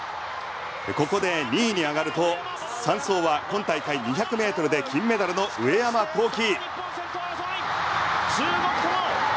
ここで２位に上がると３走は今大会２００ｍで金メダルの上山紘輝。